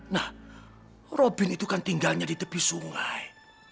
nah robin itu kan tinggalnya di tepi sungai